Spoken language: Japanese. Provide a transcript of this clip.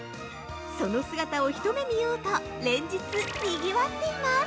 その姿を一目見ようと連日にぎわっています。